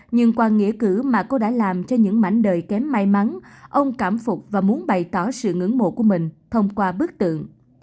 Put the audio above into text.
nhưng qua nghĩa cử mà cô đã làm cho những mảnh đời kém may mắn ông cảm phục và muốn bày tỏ sự ngưỡng mộ của mình thông qua bức tượng